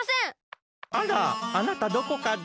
あらあなたどこかで。